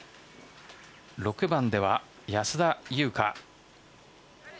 ６番では安田祐香。